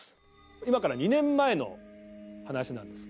今から２年前の話なんですね。